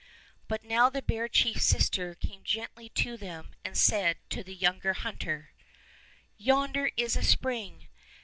But now the bear chief's sister came gently to them and said to the young hunter: "Yon der is a spring.